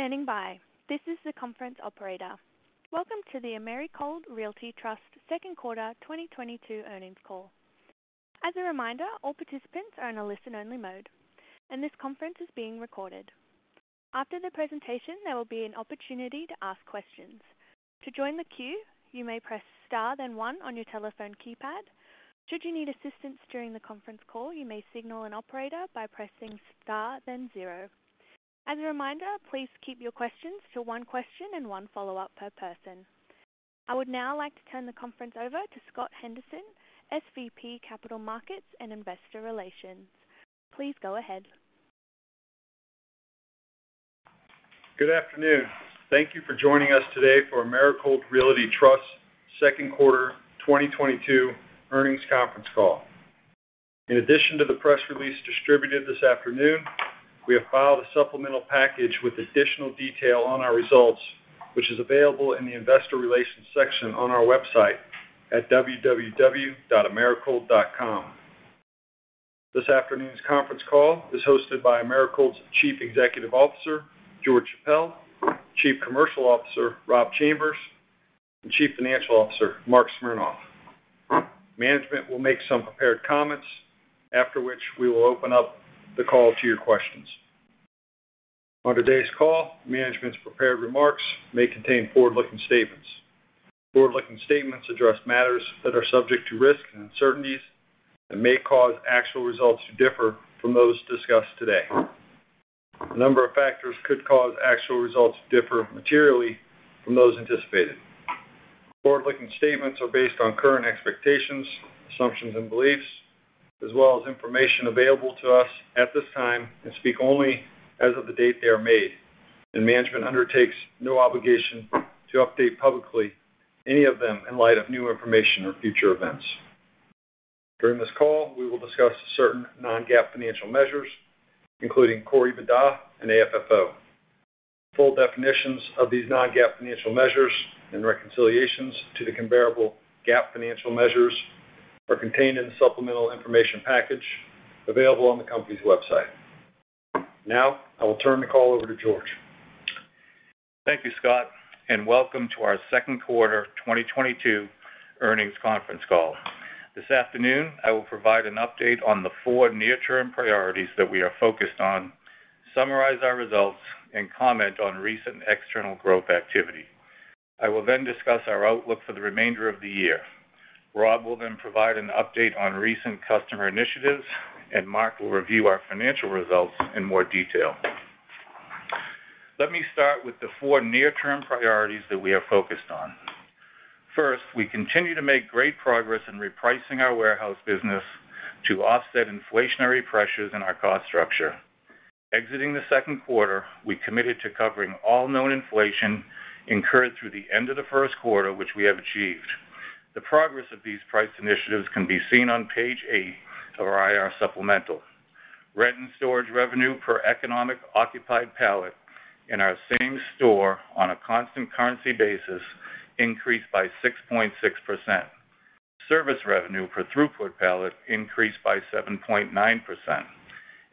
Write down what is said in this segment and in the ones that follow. Thank you for standing by. This is the conference operator. Welcome to the Americold Realty Trust second quarter 2022 earnings call. As a reminder, all participants are in a listen-only mode, and this conference is being recorded. After the presentation, there will be an opportunity to ask questions. To join the queue, you may press Star, then one on your telephone keypad. Should you need assistance during the conference call, you may signal an operator by pressing Star, then zero. As a reminder, please keep your questions to one question and one follow-up per person. I would now like to turn the conference over to Scott Henderson, SVP, Capital Markets and Investor Relations. Please go ahead. Good afternoon. Thank you for joining us today for Americold Realty Trust second quarter 2022 earnings conference call. In addition to the press release distributed this afternoon, we have filed a supplemental package with additional detail on our results, which is available in the investor relations section on our website at www.americold.com. This afternoon's conference call is hosted by Americold's Chief Executive Officer, George Chappelle, Chief Commercial Officer, Rob Chambers, and Chief Financial Officer, Marc Smernoff. Management will make some prepared comments, after which we will open up the call to your questions. On today's call, management's prepared remarks may contain forward-looking statements. Forward-looking statements address matters that are subject to risks and uncertainties and may cause actual results to differ from those discussed today. A number of factors could cause actual results to differ materially from those anticipated. Forward-looking statements are based on current expectations, assumptions and beliefs, as well as information available to us at this time, and speak only as of the date they are made, and management undertakes no obligation to update publicly any of them in light of new information or future events. During this call, we will discuss certain non-GAAP financial measures, including Core EBITDA and AFFO. Full definitions of these non-GAAP financial measures and reconciliations to the comparable GAAP financial measures are contained in the supplemental information package available on the company's website. Now, I will turn the call over to George. Thank you Scott and welcome to our second quarter 2022 earnings conference call. This afternoon, I will provide an update on the four near-term priorities that we are focused on, summarize our results, and comment on recent external growth activity. I will then discuss our outlook for the remainder of the year. Rob will then provide an update on recent customer initiatives, and Marc will review our financial results in more detail. Let me start with the four near-term priorities that we are focused on. First, we continue to make great progress in repricing our warehouse business to offset inflationary pressures in our cost structure. Exiting the second quarter, we committed to covering all known inflation incurred through the end of the first quarter, which we have achieved. The progress of these price initiatives can be seen on page 8 of our IR supplemental. Rent and storage revenue per economic occupied pallet in our same-store on a constant currency basis increased by 6.6%. Service revenue per throughput pallet increased by 7.9%.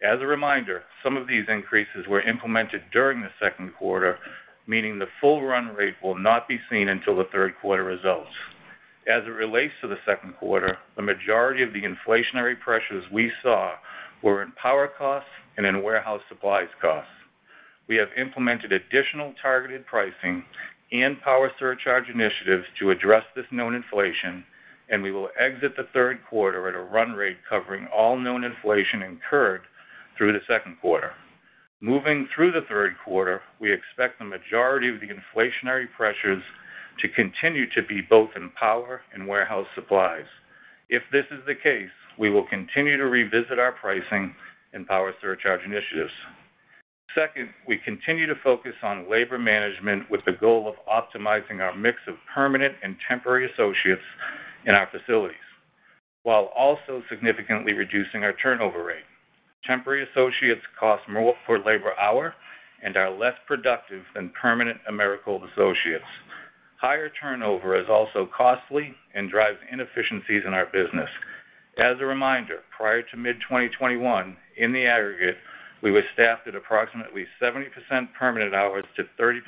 As a reminder, some of these increases were implemented during the second quarter, meaning the full run rate will not be seen until the third quarter results. As it relates to the second quarter, the majority of the inflationary pressures we saw were in power costs and in warehouse supplies costs. We have implemented additional targeted pricing and power surcharge initiatives to address this known inflation, and we will exit the third quarter at a run rate covering all known inflation incurred through the second quarter. Moving through the third quarter, we expect the majority of the inflationary pressures to continue to be both in power and warehouse supplies. If this is the case, we will continue to revisit our pricing and power surcharge initiatives. Second, we continue to focus on labor management with the goal of optimizing our mix of permanent and temporary associates in our facilities, while also significantly reducing our turnover rate. Temporary associates cost more per labor hour and are less productive than permanent Americold associates. Higher turnover is also costly and drives inefficiencies in our business. As a reminder, prior to mid-2021, in the aggregate, we were staffed at approximately 70% permanent hours to 30%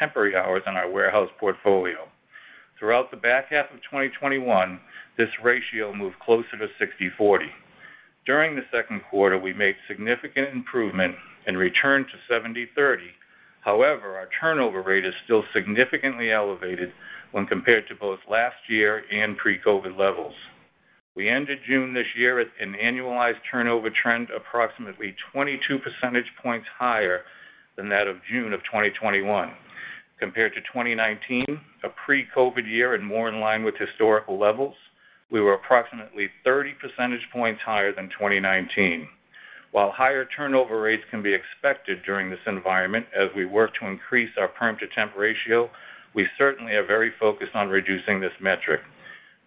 temporary hours in our warehouse portfolio. Throughout the back half of 2021, this ratio moved closer to 60/40. During the second quarter, we made significant improvement and returned to 70/30. However, our turnover rate is still significantly elevated when compared to both last year and pre-COVID levels. We ended June this year at an annualized turnover trend approximately 22 percentage points higher than that of June of 2021. Compared to 2019, a pre-COVID year and more in line with historical levels, we were approximately 30 percentage points higher than 2019. While higher turnover rates can be expected during this environment as we work to increase our perm-to-temp ratio, we certainly are very focused on reducing this metric.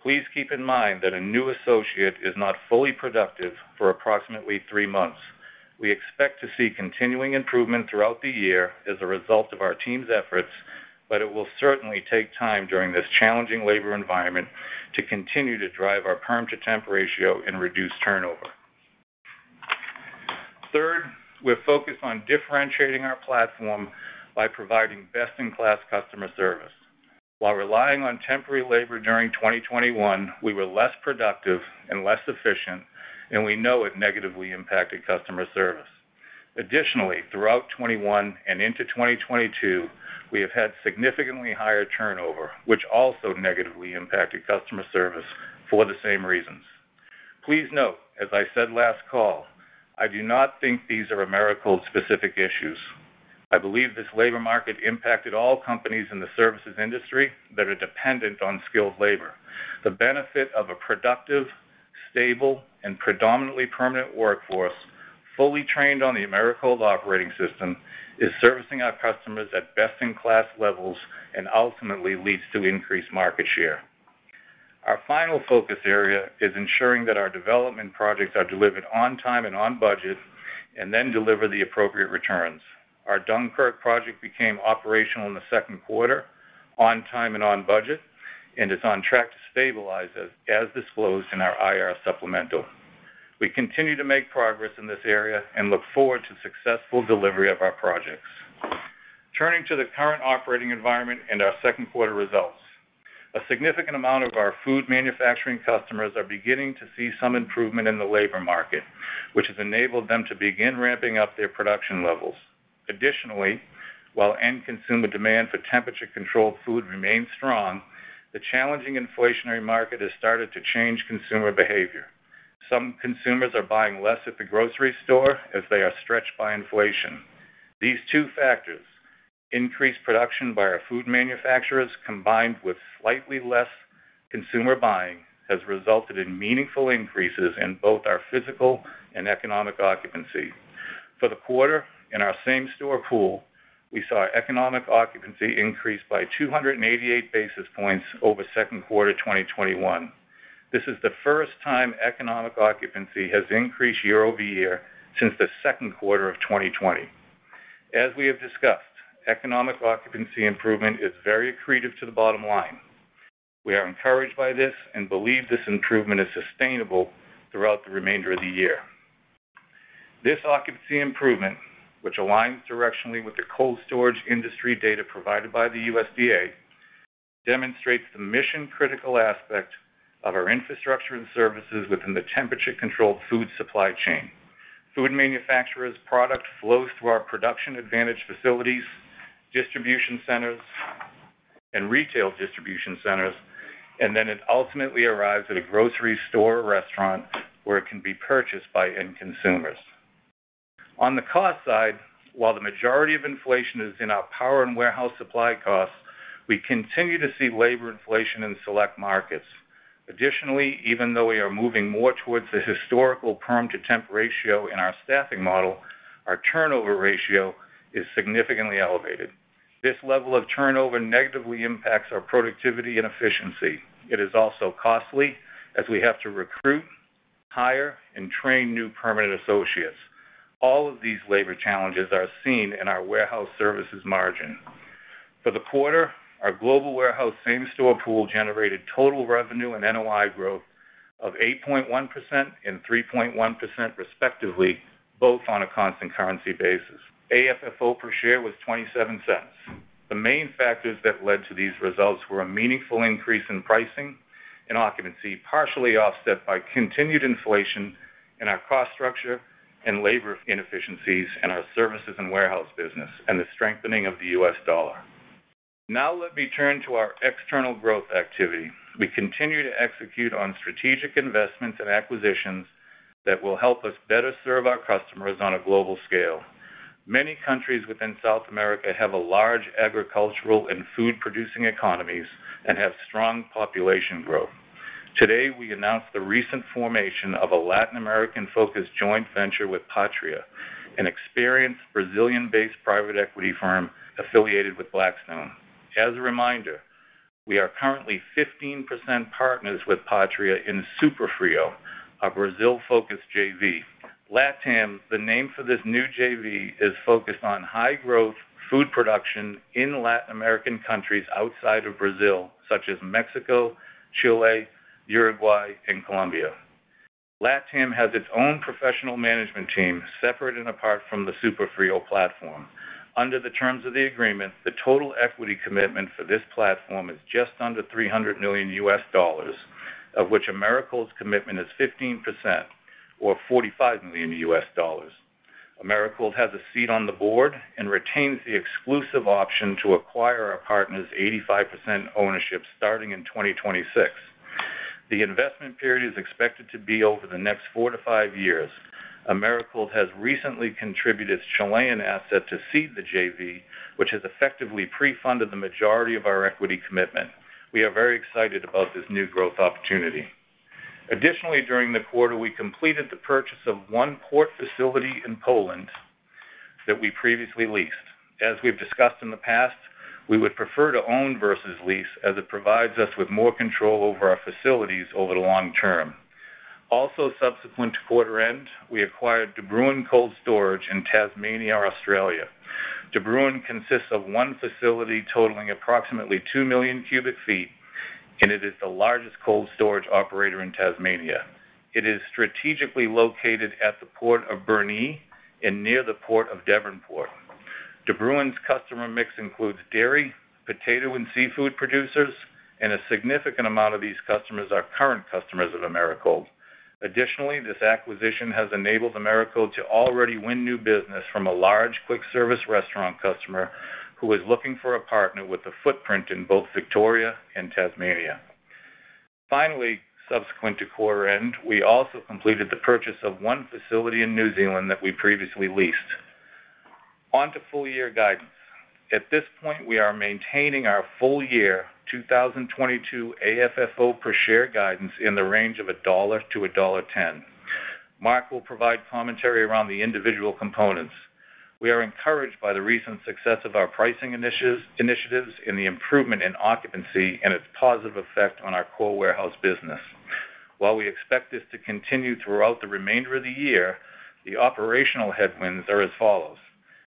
Please keep in mind that a new associate is not fully productive for approximately three months. We expect to see continuing improvement throughout the year as a result of our team's efforts, but it will certainly take time during this challenging labor environment to continue to drive our perm to temp ratio and reduce turnover. Third, we're focused on differentiating our platform by providing best-in-class customer service. While relying on temporary labor during 2021, we were less productive and less efficient, and we know it negatively impacted customer service. Additionally, throughout 2021 and into 2022, we have had significantly higher turnover, which also negatively impacted customer service for the same reasons. Please note, as I said last call, I do not think these are Americold-specific issues. I believe this labor market impacted all companies in the services industry that are dependent on skilled labor. The benefit of a productive, stable, and predominantly permanent workforce fully trained on the Americold Operating System is servicing our customers at best-in-class levels and ultimately leads to increased market share. Our final focus area is ensuring that our development projects are delivered on time and on budget and then deliver the appropriate returns. Our Dunkirk project became operational in the second quarter on time and on budget and is on track to stabilize as disclosed in our IR supplemental. We continue to make progress in this area and look forward to successful delivery of our projects. Turning to the current operating environment and our second quarter results. A significant amount of our food manufacturing customers are beginning to see some improvement in the labor market, which has enabled them to begin ramping up their production levels. Additionally, while end consumer demand for temperature-controlled food remains strong, the challenging inflationary market has started to change consumer behavior. Some consumers are buying less at the grocery store as they are stretched by inflation. These two factors, increased production by our food manufacturers combined with slightly less consumer buying, has resulted in meaningful increases in both our physical and economic occupancy. For the quarter, in our same-store pool, we saw economic occupancy increase by 288 basis points over second quarter 2021. This is the first time economic occupancy has increased year-over-year since the second quarter of 2020. As we have discussed, economic occupancy improvement is very accretive to the bottom line. We are encouraged by this and believe this improvement is sustainable throughout the remainder of the year. This occupancy improvement, which aligns directionally with the cold storage industry data provided by the USDA, demonstrates the mission-critical aspect of our infrastructure and services within the temperature-controlled food supply chain. Food manufacturers' product flows through our production advantage facilities, distribution centers, and retail distribution centers, and then it ultimately arrives at a grocery store or restaurant where it can be purchased by end consumers. On the cost side, while the majority of inflation is in our power and warehouse supply costs, we continue to see labor inflation in select markets. Additionally, even though we are moving more towards the historical perm-to-temp ratio in our staffing model, our turnover ratio is significantly elevated. This level of turnover negatively impacts our productivity and efficiency. It is also costly as we have to recruit, hire, and train new permanent associates. All of these labor challenges are seen in our warehouse services margin. For the quarter, our global warehouse same-store pool generated total revenue and NOI growth of 8.1% and 3.1% respectively, both on a constant currency basis. AFFO per share was $0.27. The main factors that led to these results were a meaningful increase in pricing and occupancy, partially offset by continued inflation in our cost structure and labor inefficiencies in our services and warehouse business and the strengthening of the U.S. dollar. Now let me turn to our external growth activity. We continue to execute on strategic investments and acquisitions that will help us better serve our customers on a global scale. Many countries within South America have a large agricultural and food-producing economies and have strong population growth. Today, we announced the recent formation of a Latin American-focused joint venture with Patria, an experienced Brazilian-based private equity firm affiliated with Blackstone. As a reminder, we are currently 15% partners with Patria in SuperFrio, a Brazil-focused JV. LATAM, the name for this new JV, is focused on high-growth food production in Latin American countries outside of Brazil, such as Mexico, Chile, Uruguay, and Colombia. LATAM has its own professional management team, separate and apart from the SuperFrio platform. Under the terms of the agreement, the total equity commitment for this platform is just under $300 million, of which Americold's commitment is 15% or $45 million. Americold has a seat on the board and retains the exclusive option to acquire our partner's 85% ownership starting in 2026. The investment period is expected to be over the next 4-5 years. Americold has recently contributed its Chilean asset to seed the JV, which has effectively pre-funded the majority of our equity commitment. We are very excited about this new growth opportunity. During the quarter, we completed the purchase of one port facility in Poland that we previously leased. As we've discussed in the past, we would prefer to own versus lease as it provides us with more control over our facilities over the long term. Subsequent to quarter end, we acquired De Bruyn Cold Storage in Tasmania, Australia. De Bruyn consists of one facility totaling approximately 2 million cubic feet. It is the largest cold storage operator in Tasmania. It is strategically located at the Port of Burnie and near the Port of Devonport. De Bruyn's customer mix includes dairy, potato, and seafood producers, and a significant amount of these customers are current customers of Americold. This acquisition has enabled Americold to already win new business from a large quick service restaurant customer who is looking for a partner with a footprint in both Victoria and Tasmania. Finally, subsequent to quarter end, we also completed the purchase of one facility in New Zealand that we previously leased. On to full year guidance. At this point, we are maintaining our full year 2022 AFFO per share guidance in the range of $1-$1.10. Marc will provide commentary around the individual components. We are encouraged by the recent success of our pricing initiatives and the improvement in occupancy and its positive effect on our core warehouse business. While we expect this to continue throughout the remainder of the year, the operational headwinds are as follows.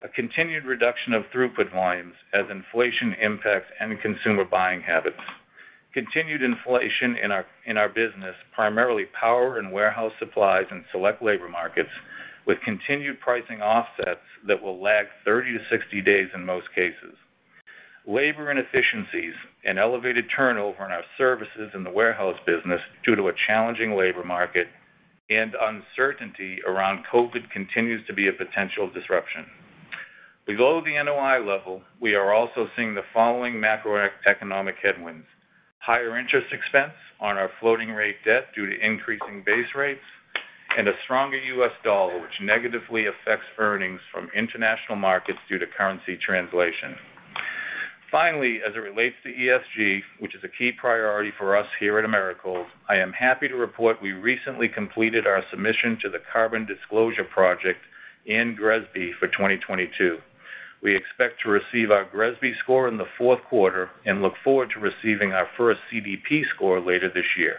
A continued reduction of throughput volumes as inflation impacts end consumer buying habits. Continued inflation in our business, primarily power and warehouse supplies and select labor markets, with continued pricing offsets that will lag 30-60 days in most cases. Labor inefficiencies and elevated turnover in our services in the warehouse business due to a challenging labor market and uncertainty around COVID continues to be a potential disruption. Below the NOI level, we are also seeing the following macroeconomic headwinds. Higher interest expense on our floating rate debt due to increasing base rates and a stronger U.S. dollar, which negatively affects earnings from international markets due to currency translation. Finally, as it relates to ESG, which is a key priority for us here at Americold, I am happy to report we recently completed our submission to the Carbon Disclosure Project and GRESB for 2022. We expect to receive our GRESB score in the fourth quarter and look forward to receiving our first CDP score later this year.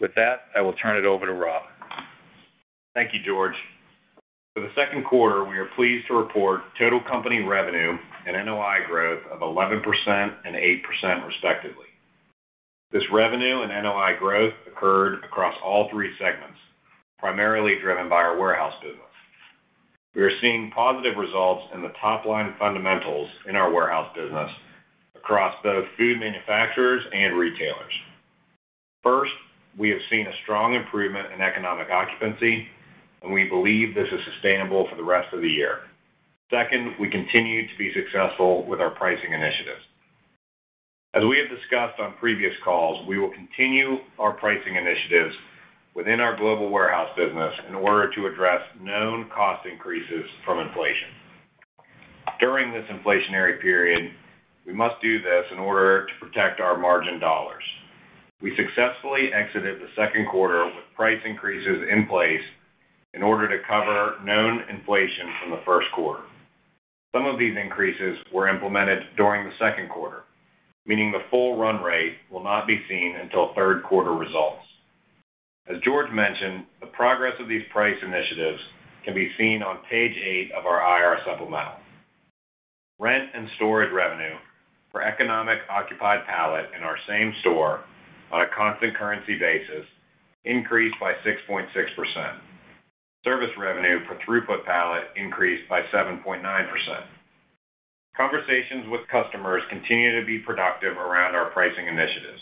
With that, I will turn it over to Rob. Thank you George. For the second quarter, we are pleased to report total company revenue and NOI growth of 11% and 8%, respectively. This revenue and NOI growth occurred across all three segments, primarily driven by our warehouse business. We are seeing positive results in the top-line fundamentals in our warehouse business across both food manufacturers and retailers. First, we have seen a strong improvement in economic occupancy, and we believe this is sustainable for the rest of the year. Second, we continue to be successful with our pricing initiatives. As we have discussed on previous calls, we will continue our pricing initiatives within our global warehouse business in order to address known cost increases from inflation. During this inflationary period, we must do this in order to protect our margin dollars. We successfully exited the second quarter with price increases in place in order to cover known inflation from the first quarter. Some of these increases were implemented during the second quarter, meaning the full run rate will not be seen until third quarter results. As George mentioned, the progress of these price initiatives can be seen on page eight of our IR supplemental. Rent and storage revenue per economically occupied pallet in our same-store on a constant-currency basis increased by 6.6%. Service revenue per throughput pallet increased by 7.9%. Conversations with customers continue to be productive around our pricing initiatives.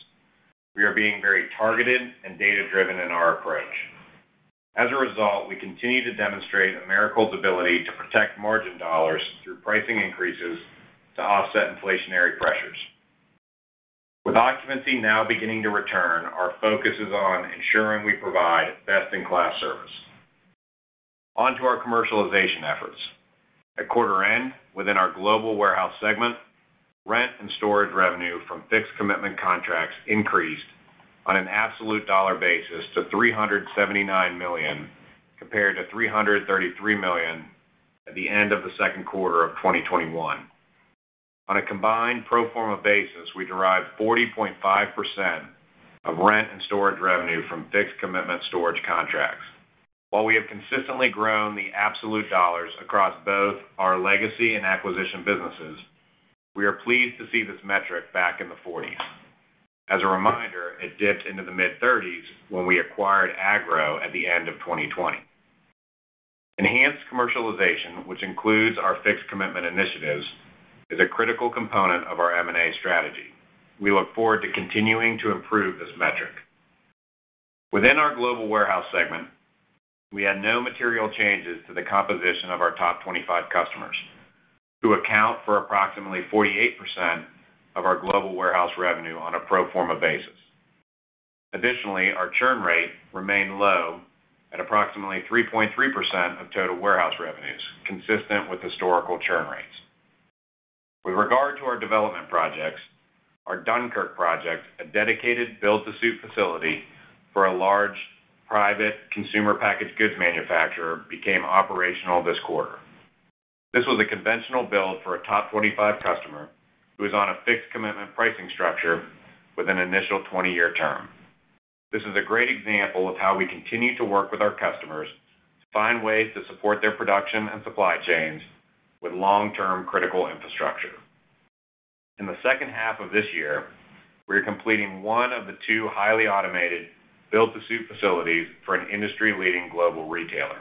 We are being very targeted and data-driven in our approach. As a result, we continue to demonstrate Americold's ability to protect margin dollars through pricing increases to offset inflationary pressures. With occupancy now beginning to return, our focus is on ensuring we provide best-in-class service. On to our commercialization efforts. At quarter end, within our global warehouse segment, rent and storage revenue from fixed commitment contracts increased on an absolute dollar basis to $379 million, compared to $333 million at the end of the second quarter of 2021. On a combined pro forma basis, we derived 40.5% of rent and storage revenue from fixed commitment storage contracts. While we have consistently grown the absolute dollars across both our legacy and acquisition businesses, we are pleased to see this metric back in the forties. As a reminder, it dipped into the mid-30s when we acquired Agro at the end of 2020. Enhanced commercialization, which includes our fixed commitment initiatives, is a critical component of our M&A strategy. We look forward to continuing to improve this metric. Within our global warehouse segment, we had no material changes to the composition of our top 25 customers, who account for approximately 48% of our global warehouse revenue on a pro forma basis. Additionally, our churn rate remained low at approximately 3.3% of total warehouse revenues, consistent with historical churn rates. With regard to our development projects, our Dunkirk project, a dedicated build-to-suit facility for a large private consumer packaged goods manufacturer, became operational this quarter. This was a conventional build for a top 25 customer who is on a fixed commitment pricing structure with an initial 20-year term. This is a great example of how we continue to work with our customers to find ways to support their production and supply chains with long-term critical infrastructure. In the second half of this year, we are completing one of the two highly automated build-to-suit facilities for an industry-leading global retailer.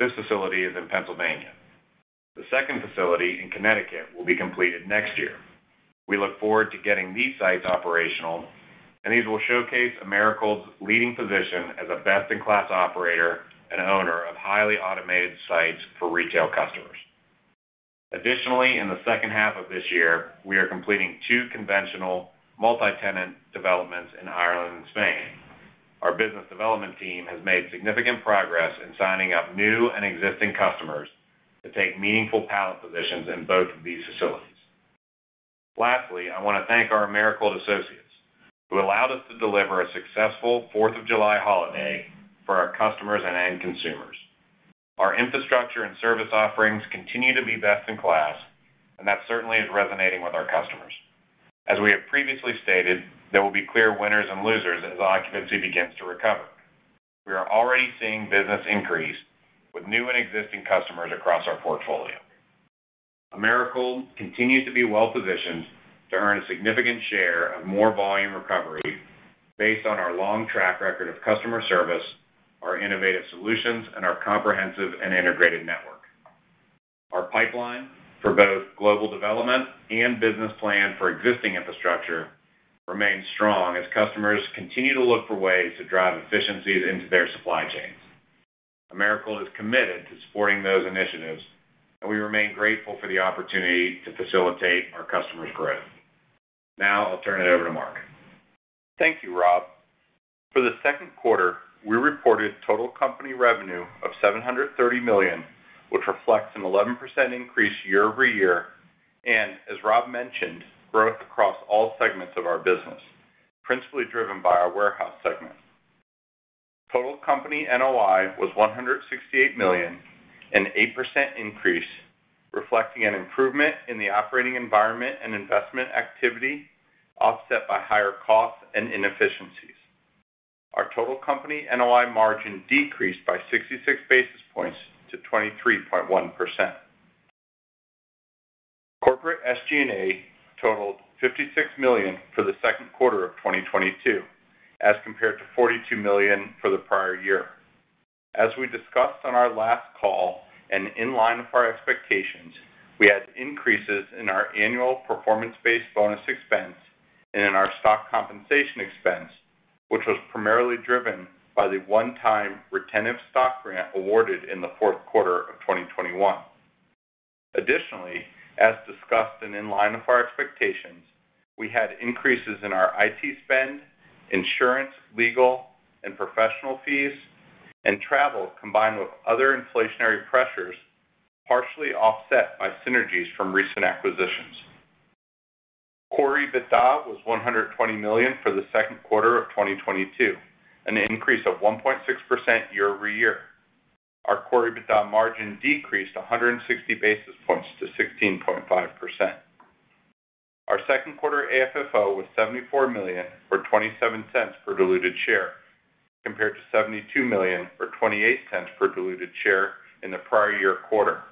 This facility is in Pennsylvania. The second facility in Connecticut will be completed next year. We look forward to getting these sites operational, and these will showcase Americold's leading position as a best-in-class operator and owner of highly automated sites for retail customers. Additionally, in the second half of this year, we are completing two conventional multi-tenant developments in Ireland and Spain. Our business development team has made significant progress in signing up new and existing customers to take meaningful pallet positions in both of these facilities. Lastly, I wanna thank our Americold associates who allowed us to deliver a successful 4th of July holiday for our customers and end consumers. Our infrastructure and service offerings continue to be best in class, and that certainly is resonating with our customers. As we have previously stated, there will be clear winners and losers as occupancy begins to recover. We are already seeing business increase with new and existing customers across our portfolio. Americold continues to be well positioned to earn a significant share of more volume recovery based on our long track record of customer service, our innovative solutions, and our comprehensive and integrated network. Our pipeline for both global development and business plan for existing infrastructure remains strong as customers continue to look for ways to drive efficiencies into their supply chains. Americold is committed to supporting those initiatives, and we remain grateful for the opportunity to facilitate our customers' growth. Now I'll turn it over to Marc. Thank you, Rob. For the second quarter, we reported total company revenue of $730 million, which reflects an 11% increase year over year and, as Rob mentioned, growth across all segments of our business, principally driven by our warehouse segment. Total company NOI was $168 million, an 8% increase, reflecting an improvement in the operating environment and investment activity, offset by higher costs and inefficiencies. Our total company NOI margin decreased by 66 basis points to 23.1%. Corporate SG&A totaled $56 million for the second quarter of 2022, as compared to $42 million for the prior year. As we discussed on our last call and in line with our expectations, we had increases in our annual performance-based bonus expense and in our stock compensation expense, which was primarily driven by the one-time retentive stock grant awarded in the fourth quarter of 2021. Additionally, as discussed and in line with our expectations, we had increases in our IT spend, insurance, legal, and professional fees, and travel, combined with other inflationary pressures, partially offset by synergies from recent acquisitions. Core EBITDA was $120 million for the second quarter of 2022, an increase of 1.6% year-over-year. Our Core EBITDA margin decreased 160 basis points to 16.5%. Our second quarter AFFO was $74 million, or $0.27 per diluted share, compared to $72 million, or $0.28 per diluted share in the prior year quarter.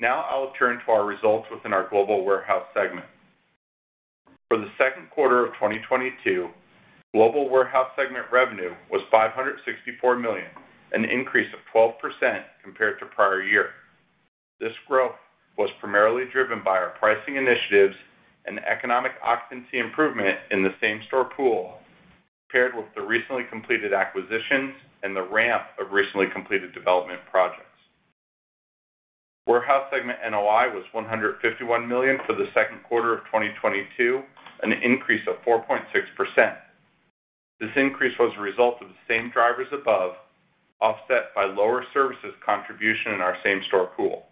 Now I'll turn to our results within our global warehouse segment. For the second quarter of 2022, global warehouse segment revenue was $564 million, an increase of 12% compared to prior year. This growth was primarily driven by our pricing initiatives and economic occupancy improvement in the same-store pool, paired with the recently completed acquisitions and the ramp of recently completed development projects. Warehouse segment NOI was $151 million for the second quarter of 2022, an increase of 4.6%. This increase was a result of the same drivers above, offset by lower services contribution in our same-store pool.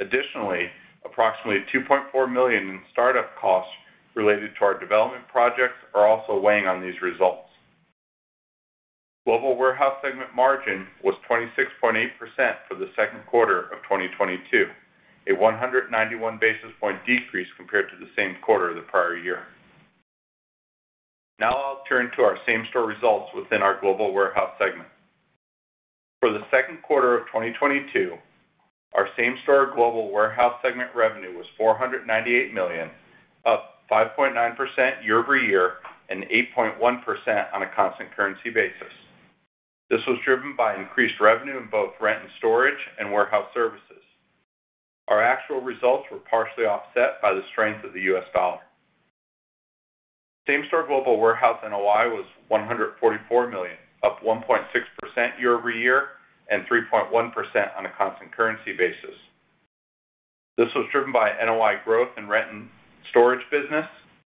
Additionally, approximately $2.4 million in startup costs related to our development projects are also weighing on these results. Global warehouse segment margin was 26.8% for the second quarter of 2022, a 191 basis point decrease compared to the same quarter of the prior year. Now I'll turn to our same-store results within our global warehouse segment. For the second quarter of 2022, our same-store global warehouse segment revenue was $498 million, up 5.9% year-over-year, and 8.1% on a constant currency basis. This was driven by increased revenue in both rent and storage and warehouse services. Our actual results were partially offset by the strength of the U.S. dollar. Same-store global warehouse NOI was $144 million, up 1.6% year-over-year, and 3.1% on a constant currency basis. This was driven by NOI growth in rent and storage business,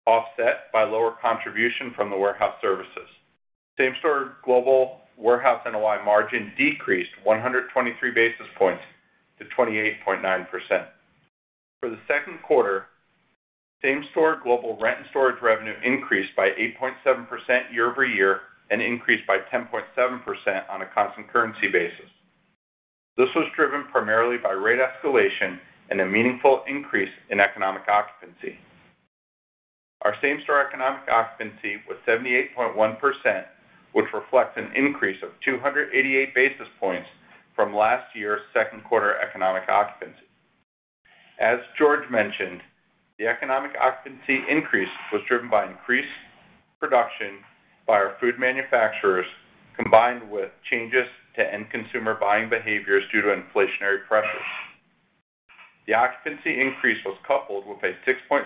offset by lower contribution from the warehouse services. Same-store global warehouse NOI margin decreased 123 basis points to 28.9%. For the second quarter, same-store global rent and storage revenue increased by 8.7% year-over-year and increased by 10.7% on a constant currency basis. This was driven primarily by rate escalation and a meaningful increase in economic occupancy. Our same-store economic occupancy was 78.1%, which reflects an increase of 288 basis points from last year's second quarter economic occupancy. As George mentioned, the economic occupancy increase was driven by increased production by our food manufacturers, combined with changes to end consumer buying behaviors due to inflationary pressures. The occupancy increase was coupled with a 6.6%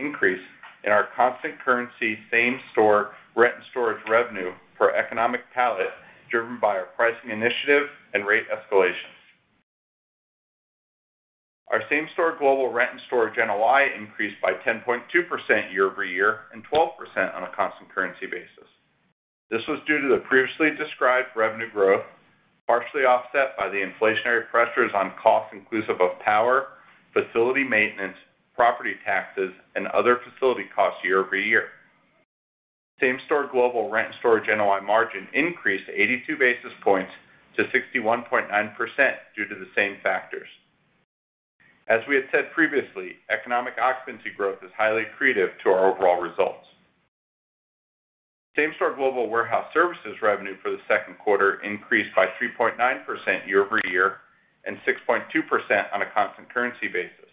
increase in our constant currency same-store rent and storage revenue per economic pallet, driven by our pricing initiative and rate escalations. Our same-store global rent and storage NOI increased by 10.2% year-over-year and 12% on a constant currency basis. This was due to the previously described revenue growth, partially offset by the inflationary pressures on costs inclusive of power, facility maintenance, property taxes, and other facility costs year-over-year. Same-store global rent and storage NOI margin increased 82 basis points to 61.9% due to the same factors. As we had said previously, economic occupancy growth is highly accretive to our overall results. Same-store global warehouse services revenue for the second quarter increased by 3.9% year-over-year and 6.2% on a constant currency basis.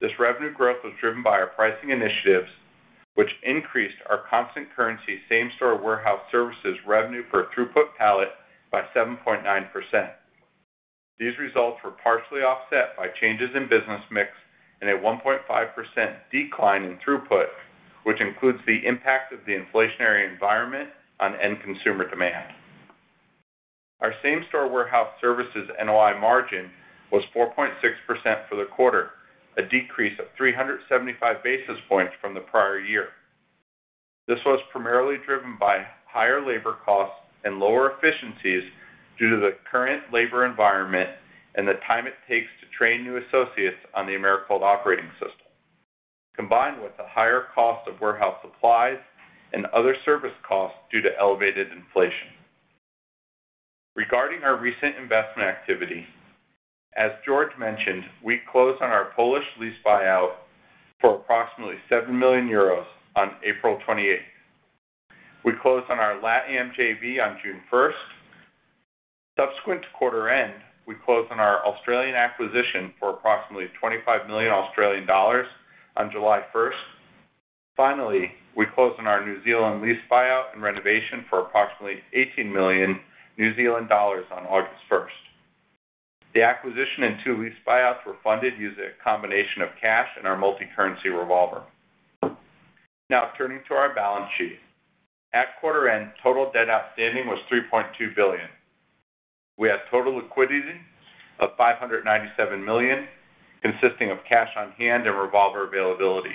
This revenue growth was driven by our pricing initiatives, which increased our constant currency same-store warehouse services revenue per throughput pallet by 7.9%. These results were partially offset by changes in business mix and a 1.5% decline in throughput, which includes the impact of the inflationary environment on end consumer demand. Our same-store warehouse services NOI margin was 4.6% for the quarter, a decrease of 375 basis points from the prior year. This was primarily driven by higher labor costs and lower efficiencies due to the current labor environment and the time it takes to train new associates on the Americold Operating System, combined with the higher cost of warehouse supplies and other service costs due to elevated inflation. Regarding our recent investment activity, as George mentioned, we closed on our Polish lease buyout for approximately 7 million euros on April 28th. We closed on our LATAM JV on June 1st. Subsequent to quarter end, we closed on our Australian acquisition for approximately 25 million Australian dollars on July 1st. Finally, we closed on our New Zealand lease buyout and renovation for approximately 18 million New Zealand dollars on August 1st. The acquisition and two lease buyouts were funded using a combination of cash and our multicurrency revolver. Now turning to our balance sheet. At quarter end, total debt outstanding was $3.2 billion. We had total liquidity of $597 million, consisting of cash on hand and revolver availability.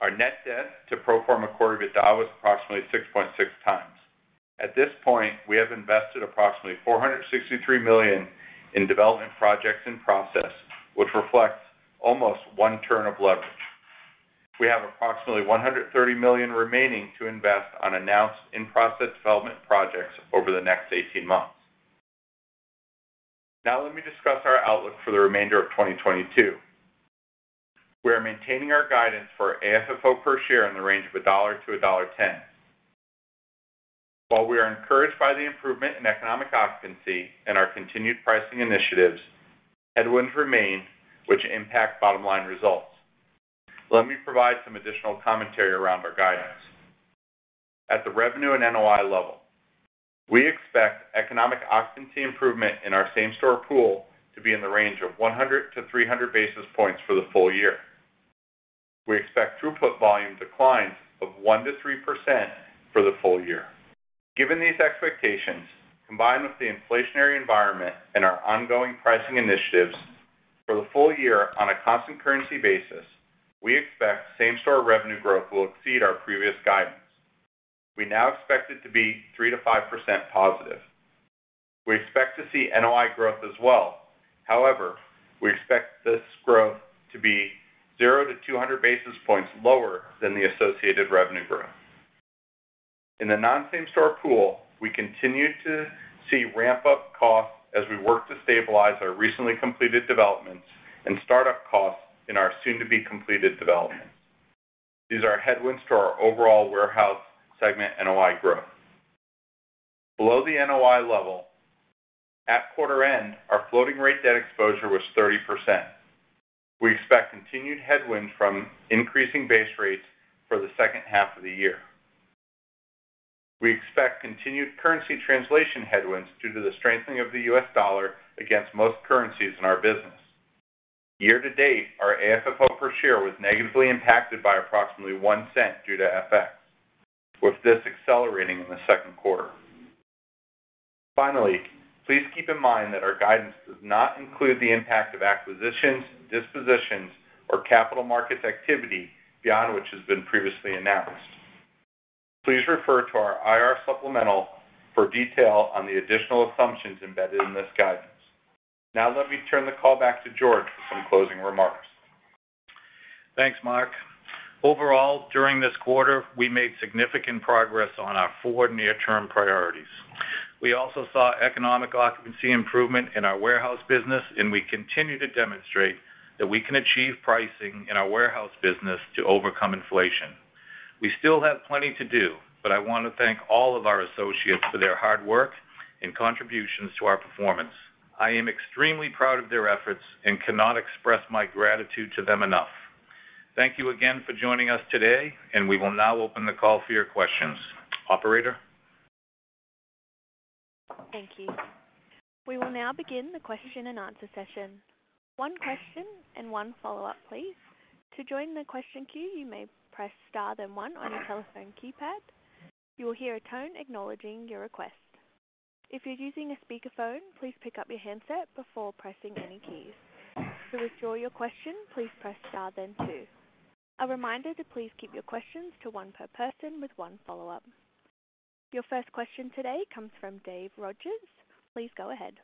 Our net debt to pro forma Core EBITDA was approximately 6.6x. At this point, we have invested approximately $463 million in development projects in process, which reflects almost one turn of leverage. We have approximately $130 million remaining to invest on announced in-process development projects over the next 18 months. Now let me discuss our outlook for the remainder of 2022. We are maintaining our guidance for AFFO per share in the range of $1-$1.10. While we are encouraged by the improvement in economic occupancy and our continued pricing initiatives, headwinds remain which impact bottom-line results. Let me provide some additional commentary around our guidance. At the revenue and NOI level, we expect economic occupancy improvement in our same-store pool to be in the range of 100-300 basis points for the full year. We expect throughput volume declines of 1%-3% for the full year. Given these expectations, combined with the inflationary environment and our ongoing pricing initiatives, for the full year on a constant currency basis, we expect same-store revenue growth will exceed our previous guidance. We now expect it to be 3%-5% positive. We expect to see NOI growth as well. However, we expect this growth to be 0-200 basis points lower than the associated revenue growth. In the non-same-store pool, we continue to see ramp-up costs as we work to stabilize our recently completed developments and start-up costs in our soon-to-be-completed developments. These are headwinds to our overall warehouse segment NOI growth. Below the NOI level, at quarter end, our floating rate debt exposure was 30%. We expect continued headwinds from increasing base rates for the second half of the year. We expect continued currency translation headwinds due to the strengthening of the U.S. dollar against most currencies in our business. Year to date, our AFFO per share was negatively impacted by approximately $0.01 due to FX, with this accelerating in the second quarter. Finally, please keep in mind that our guidance does not include the impact of acquisitions, dispositions, or capital markets activity beyond which has been previously announced. Please refer to our IR supplemental for detail on the additional assumptions embedded in this guidance. Now let me turn the call back to George for some closing remarks. Thanks Marc. Overall during this quarter, we made significant progress on our four near-term priorities. We also saw economic occupancy improvement in our warehouse business, and we continue to demonstrate that we can achieve pricing in our warehouse business to overcome inflation. We still have plenty to do, but I want to thank all of our associates for their hard work and contributions to our performance. I am extremely proud of their efforts and cannot express my gratitude to them enough. Thank you again for joining us today, and we will now open the call for your questions. Operator? Thank you. We will now begin the question and answer session. One question and one follow-up, please. To join the question queue, you may press Star then one on your telephone keypad. You will hear a tone acknowledging your request. If you're using a speakerphone, please pick up your handset before pressing any keys. To withdraw your question, please press Star then two. A reminder to please keep your questions to one per person with one follow-up. Your first question today comes from Dave Rodgers. Please go ahead.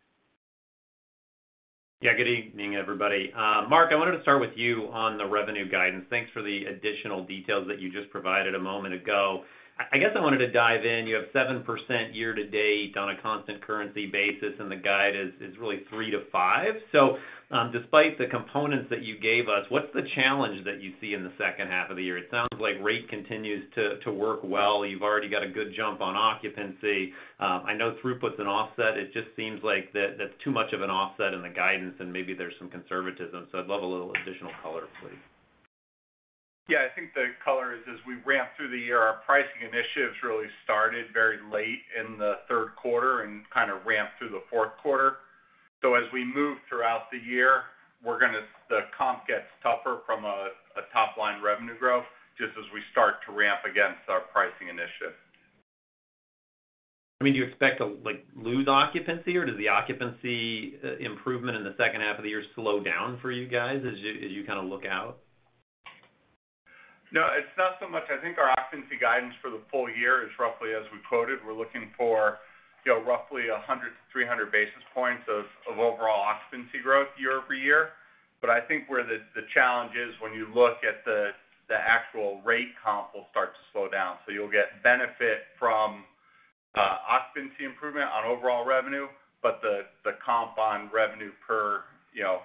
Yeah good evening everybody. Marc I wanted to start with you on the revenue guidance. Thanks for the additional details that you just provided a moment ago. I guess I wanted to dive in. You have 7% year to date on a constant currency basis, and the guide is really 3%-5%. Despite the components that you gave us, what's the challenge that you see in the second half of the year? It sounds like rate continues to work well. You've already got a good jump on occupancy. I know throughput's an offset. It just seems like that's too much of an offset in the guidance and maybe there's some conservatism. I'd love a little additional color, please. Yeah I think the color is, as we ramp through the year, our pricing initiatives really started very late in the third quarter and kind of ramped through the fourth quarter. As we move throughout the year, the comp gets tougher from a top-line revenue growth just as we start to ramp against our pricing initiative. I mean, do you expect to, like, lose occupancy, or does the occupancy improvement in the second half of the year slow down for you guys as you kind of look out? No it's not so much. I think our occupancy guidance for the full year is roughly as we quoted. We're looking for, you know, roughly 100-300 basis points of overall occupancy growth year-over-year. I think where the challenge is when you look at the actual rate comp will start to slow down. You'll get benefit from occupancy improvement on overall revenue, but the comp on revenue per, you know,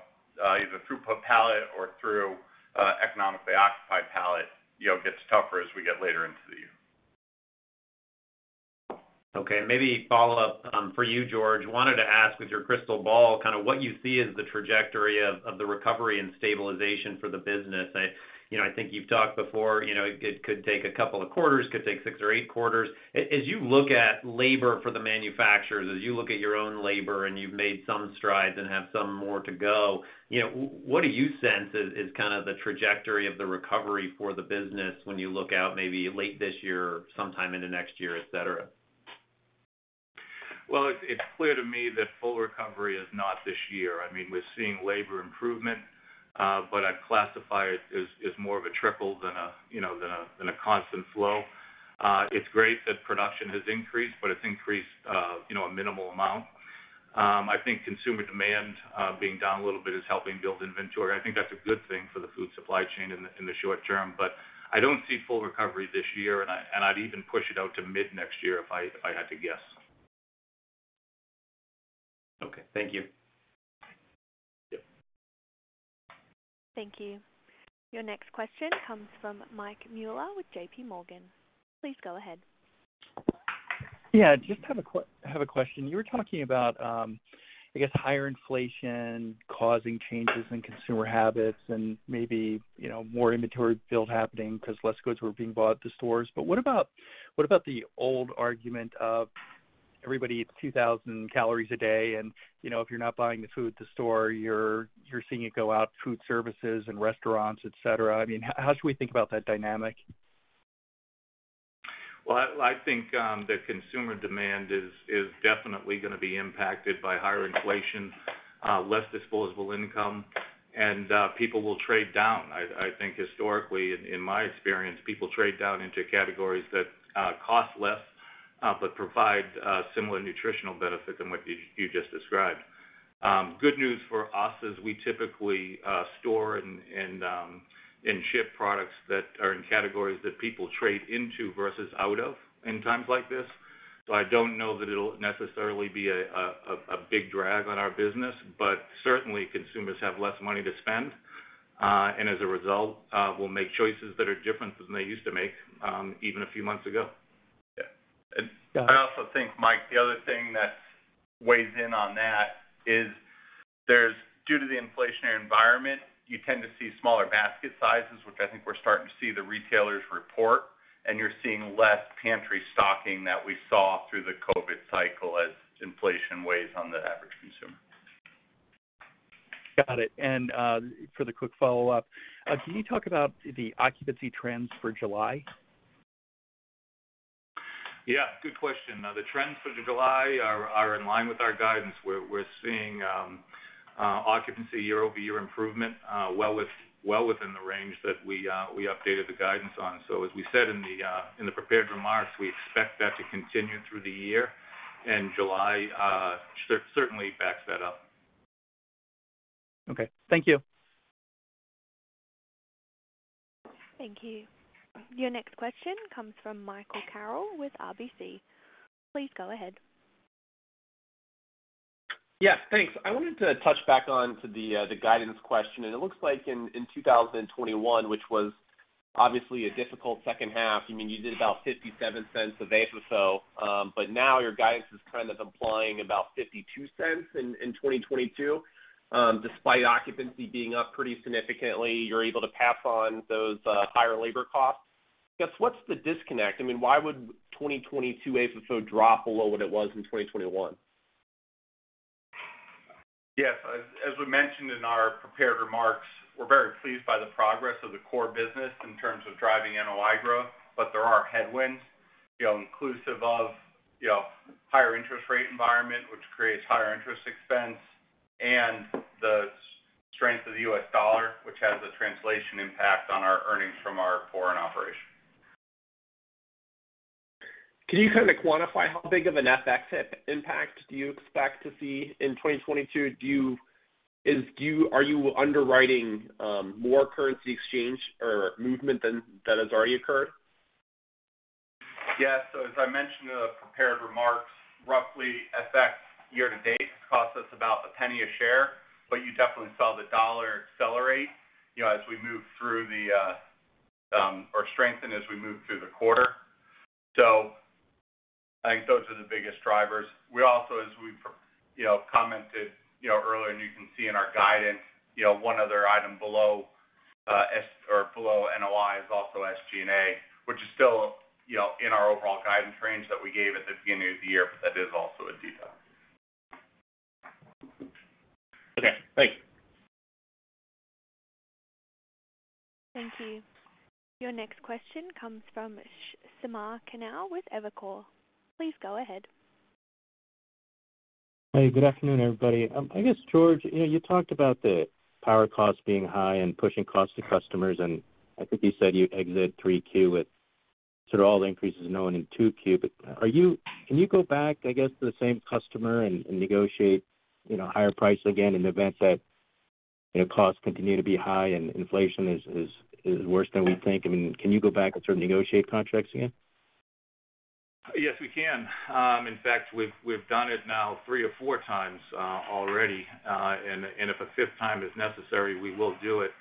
either throughput pallet or economically occupied pallet, you know, gets tougher as we get later into the year. Okay maybe follow up for you George. Wanted to ask with your crystal ball kinda what you see as the trajectory of the recovery and stabilization for the business. You know, I think you've talked before, you know, it could take a couple of quarters, it could take six or eight quarters. As you look at labor for the manufacturers, as you look at your own labor, and you've made some strides and have some more to go, you know, what do you sense is kind of the trajectory of the recovery for the business when you look out maybe late this year or sometime into next year, et cetera? Well, it's clear to me that full recovery is not this year. I mean, we're seeing labor improvement, but I'd classify it as more of a trickle than a you know constant flow. It's great that production has increased, but it's increased you know a minimal amount. I think consumer demand being down a little bit is helping build inventory. I think that's a good thing for the food supply chain in the short term. I don't see full recovery this year, and I'd even push it out to mid-next year if I had to guess. Okay thank you. Yep. Thank you. Your next question comes from Mike Mueller with JP Morgan. Please go ahead. Yeah just have a question. You were talking about, I guess higher inflation causing changes in consumer habits and maybe, you know, more inventory build happening because less goods were being bought at the stores. What about the old argument of everybody eats 2,000 calories a day and, you know, if you're not buying the food at the store, you're seeing it go to food services and restaurants, et cetera? I mean, how should we think about that dynamic? I think the consumer demand is definitely gonna be impacted by higher inflation, less disposable income, and people will trade down. I think historically, in my experience, people trade down into categories that cost less, but provide similar nutritional benefit than what you just described. Good news for us is we typically store and ship products that are in categories that people trade into versus out of in times like this. I don't know that it'll necessarily be a big drag on our business, but certainly consumers have less money to spend, and as a result, will make choices that are different than they used to make, even a few months ago. Yeah got it. I also think Mike the other thing that weighs in on that is there's due to the inflationary environment, you tend to see smaller basket sizes, which I think we're starting to see the retailers report, and you're seeing less pantry stocking that we saw through the COVID cycle as inflation weighs on the average consumer. Got it. For the quick follow-up, can you talk about the occupancy trends for July? Yeah good question. The trends for the July are in line with our guidance. We're seeing occupancy year-over-year improvement well within the range that we updated the guidance on. As we said in the prepared remarks, we expect that to continue through the year. July certainly backs that up. Okay thank you. Thank you. Your next question comes from Michael Carroll with RBC. Please go ahead. Yes thanks. I wanted to touch back on the guidance question. It looks like in 2021, which was obviously a difficult second half, I mean, you did about $0.57 of AFFO, but now your guidance is kind of implying about $0.52 in 2022, despite occupancy being up pretty significantly, you're able to pass on those higher labor costs. I guess, what's the disconnect? I mean, why would 2022 AFFO drop below what it was in 2021? Yes. As we mentioned in our prepared remarks, we're very pleased by the progress of the core business in terms of driving NOI growth. There are headwinds, you know, inclusive of, you know, higher interest rate environment, which creates higher interest expense and the strength of the U.S. dollar, which has a translation impact on our earnings from our foreign operations. Can you kind of quantify how big of an FX impact do you expect to see in 2022? Are you underwriting more currency exchange or movement than that has already occurred? Yes. As I mentioned in the prepared remarks, roughly FX year to date cost us about $0.01 a share, but you definitely saw the dollar accelerate, you know, or strengthen as we move through the quarter. I think those are the biggest drivers. We also, as we've, you know, commented, you know, earlier, and you can see in our guidance, you know, one other item below SG&A or below NOI is also SG&A, which is still, you know, in our overall guidance range that we gave at the beginning of the year, but that is also a detail. Okay, thank you. Thank you. Your next question comes from Samir Khanal with Evercore. Please go ahead. Hey, good afternoon, everybody. I guess, George, you know, you talked about the power costs being high and pushing costs to customers, and I think you said you exit 3Q with sort of all the increases known in 2Q. Can you go back, I guess, to the same customer and negotiate, you know, higher price again in the event that, you know, costs continue to be high and inflation is worse than we think? I mean, can you go back and sort of negotiate contracts again? Yes, we can. In fact, we've done it now 3 or 4 times already. If a fifth time is necessary, we will do it.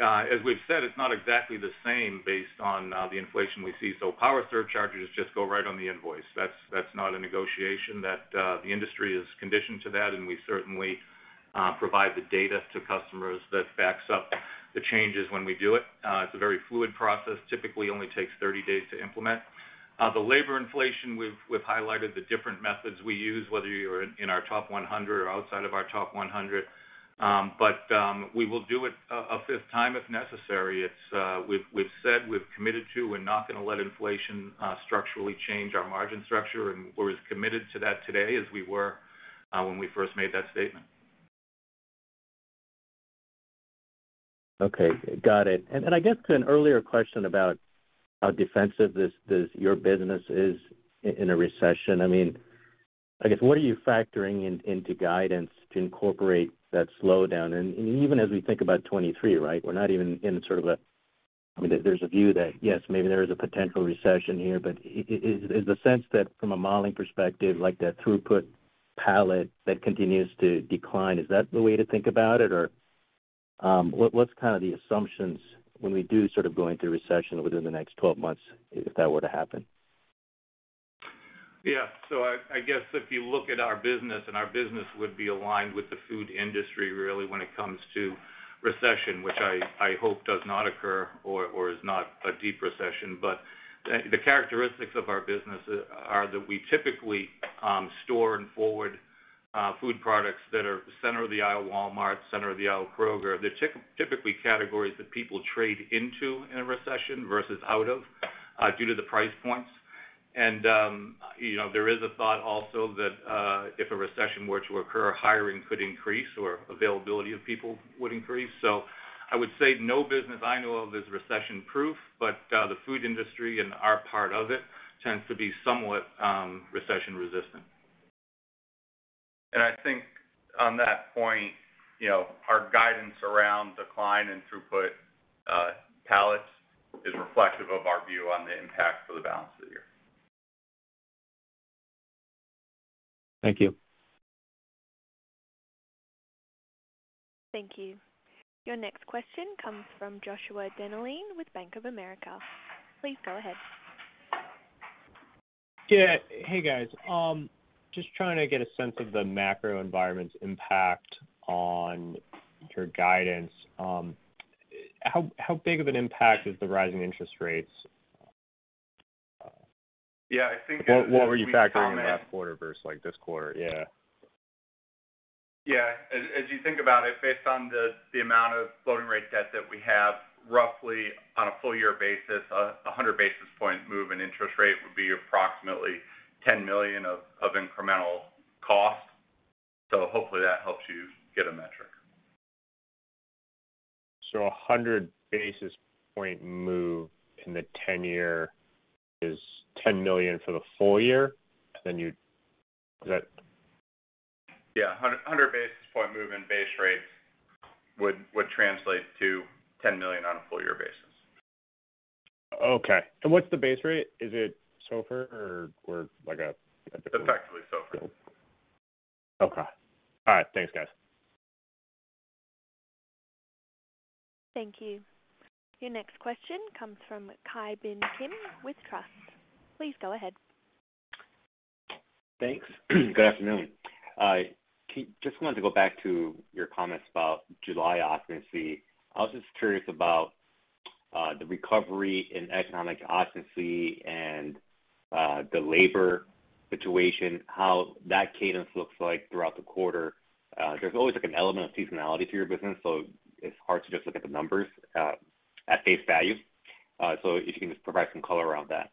As we've said, it's not exactly the same based on the inflation we see. Power surcharges just go right on the invoice. That's not a negotiation that the industry is conditioned to that, and we certainly provide the data to customers that backs up the changes when we do it. It's a very fluid process. Typically only takes 30 days to implement. The labor inflation, we've highlighted the different methods we use, whether you're in our top 100 or outside of our top 100. We will do it a fifth time if necessary. We've said, we've committed to, we're not gonna let inflation structurally change our margin structure, and we're as committed to that today as we were when we first made that statement. Okay, got it. I guess an earlier question about how defensive this your business is in a recession. I mean, I guess, what are you factoring into guidance to incorporate that slowdown? Even as we think about 2023, right? We're not even in sort of a, I mean. There's a view that yes, maybe there is a potential recession here, but is the sense that from a modeling perspective, like that throughput pallet that continues to decline, is that the way to think about it? Or, what's kinda the assumptions when we do sort of go into recession within the next 12 months, if that were to happen? Yeah. I guess if you look at our business and our business would be aligned with the food industry, really when it comes to recession, which I hope does not occur or is not a deep recession. The characteristics of our business are that we typically store and forward food products that are center of the aisle Walmart, center of the aisle Kroger. They're typically categories that people trade into in a recession versus out of due to the price points. You know, there is a thought also that if a recession were to occur, hiring could increase or availability of people would increase. I would say no business I know of is recession-proof, but the food industry and our part of it tends to be somewhat recession resistant. I think on that point, you know, our guidance around decline in throughput pallets is reflective of our view on the impact for the balance of the year. Thank you. Thank you. Your next question comes from Joshua Dennerlein with Bank of America. Please go ahead. Yeah. Hey, guys. Just trying to get a sense of the macro environment's impact on your guidance. How big of an impact is the rising interest rates? Yeah, I think as we comment. What were you factoring in last quarter versus, like, this quarter? Yeah. Yeah. As you think about it, based on the amount of floating rate debt that we have, roughly on a full year basis, 100 basis point move in interest rate would be approximately $10 million of incremental. A 100 basis point move in the 10-year is $10 million for the full year, then you. Is that? Yeah. A 100 basis point move in base rates would translate to $10 million on a full year basis. Okay. What's the base rate? Is it SOFR or like a- It's effectively SOFR. Okay. All right. Thanks, guys. Thank you. Your next question comes from Ki Bin Kim with Truist. Please go ahead. Thanks. Good afternoon. Just wanted to go back to your comments about July occupancy. I was just curious about the recovery in economic occupancy and the labor situation, how that cadence looks like throughout the quarter. There's always, like, an element of seasonality to your business, so it's hard to just look at the numbers at face value. If you can just provide some color around that.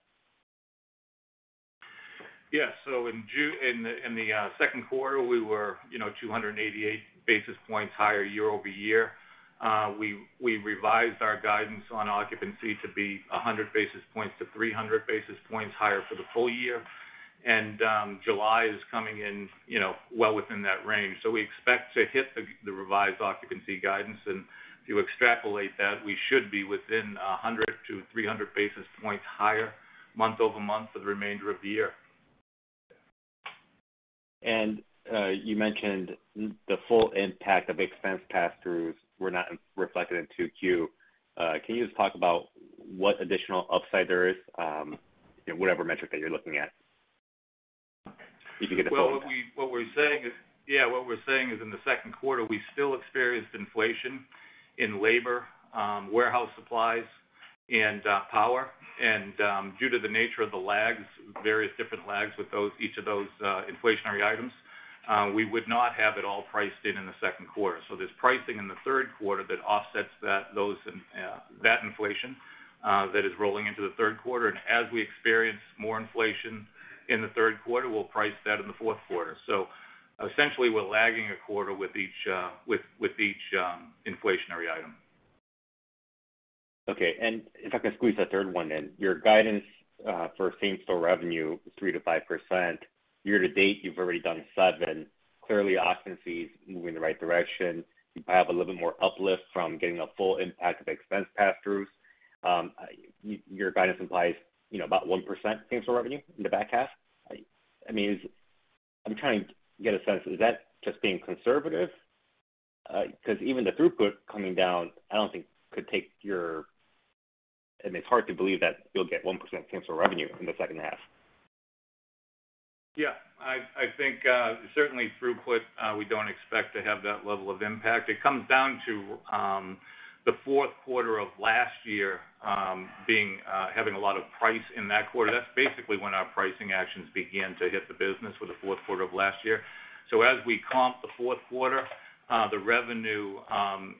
Yeah. In the second quarter, we were, you know, 288 basis points higher year-over-year. We revised our guidance on occupancy to be 100-300 basis points higher for the full year. July is coming in, you know, well within that range. We expect to hit the revised occupancy guidance. If you extrapolate that, we should be within 100-300 basis points higher month-over-month for the remainder of the year. You mentioned the full impact of expense pass-throughs were not reflected in 2Q. Can you just talk about what additional upside there is, you know, whatever metric that you're looking at? If you could get the full impact. Well, what we're saying is, in the second quarter, we still experienced inflation in labor, warehouse supplies and power. Due to the nature of the lags, various different lags with each of those inflationary items, we would not have it all priced in in the second quarter. There's pricing in the third quarter that offsets those and that inflation that is rolling into the third quarter. As we experience more inflation in the third quarter, we'll price that in the fourth quarter. Essentially, we're lagging a quarter with each inflationary item. Okay. If I can squeeze a third one in. Your guidance for same-store revenue is 3%-5%. Year-to-date, you've already done 7%. Clearly, occupancy is moving in the right direction. You have a little bit more uplift from getting a full impact of expense passthroughs. Your guidance implies, you know, about 1% same-store revenue in the back half. I mean, I'm trying to get a sense, is that just being conservative? 'Cause even the throughput coming down, I don't think could take your. I mean, it's hard to believe that you'll get 1% same-store revenue in the second half. Yeah. I think certainly throughput, we don't expect to have that level of impact. It comes down to the fourth quarter of last year having a lot of pricing in that quarter. That's basically when our pricing actions began to hit the business, was the fourth quarter of last year. As we comp the fourth quarter, the revenue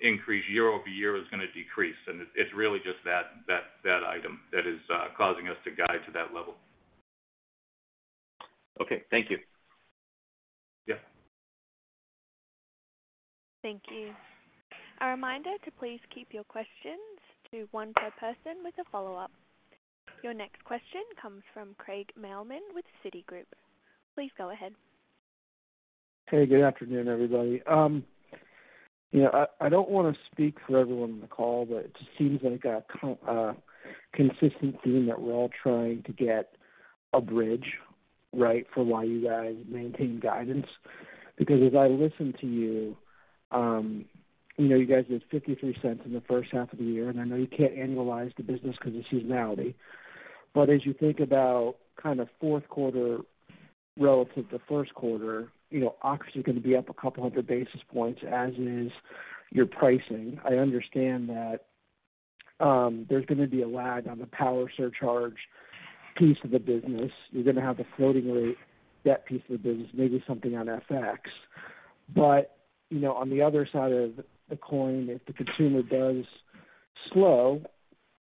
increase year-over-year is gonna decrease. It's really just that item that is causing us to guide to that level. Okay. Thank you. Yeah. Thank you. A reminder to please keep your questions to one per person with a follow-up. Your next question comes from Craig Mailman with Citigroup. Please go ahead. Hey good afternoon everybody. You know, I don't wanna speak for everyone on the call, but it just seems like a consistent theme that we're all trying to get a bridge, right, for why you guys maintain guidance. Because as I listen to you know, you guys did $0.53 in the first half of the year, and I know you can't annualize the business 'cause of seasonality. As you think about kind of fourth quarter relative to first quarter, you know, occupancy is gonna be up a couple hundred basis points, as is your pricing. I understand that, there's gonna be a lag on the power surcharge piece of the business. You're gonna have the floating rate, that piece of the business, maybe something on FX. You know, on the other side of the coin, if the consumer does slow,